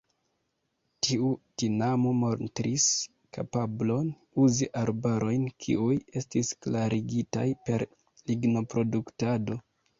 Tiu tinamo montris kapablon uzi arbarojn kiuj estis klarigitaj per lignoproduktado.